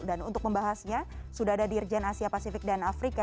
dan untuk membahasnya sudah ada dirjen asia pasifik dan afrika